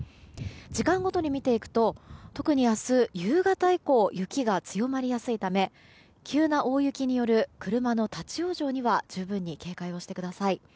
時間ごとに見ていくと特に明日、夕方以降雪が強まりやすいため急な大雪による車の立ち往生には十分、警戒をしてください。